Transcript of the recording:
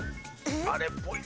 あれっぽいな。